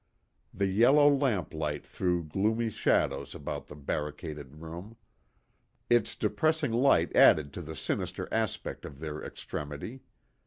The yellow lamplight threw gloomy shadows about the barricaded room. Its depressing light added to the sinister aspect of their extremity.